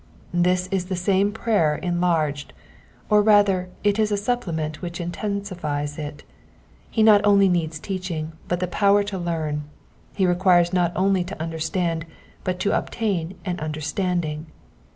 '*^ This is the same prayer enlarged, or rather it is a supplement which intensifies it. He not only needs teaching, but the power to learn : he requires not only to under stand, but to obtain an understanding.